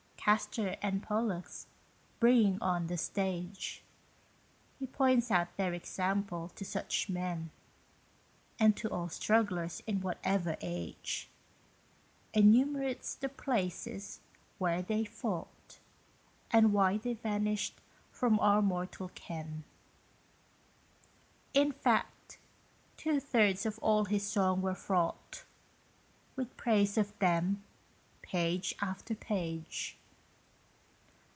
Castor and Pollux bringing on the stage, He points out their example to such men, And to all strugglers in whatever age; Enumerates the places where they fought, And why they vanished from our mortal ken. In fact, two thirds of all his song was fraught With praise of them, page after page.